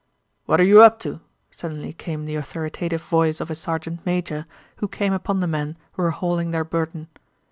"What are you up to?" suddenly came the authoritative voice of a sergeant major who came upon the men who were hauling their burden.